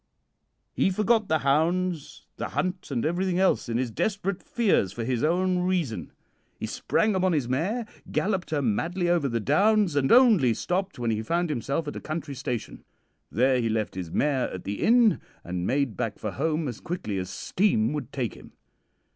"He forgot the hounds, the hunt, and everything else in his desperate fears for his own reason. He sprang upon his mare, galloped her madly over the downs, and only stopped when he found himself at a country station. There he left his mare at the inn, and made back for home as quickly as steam would take him.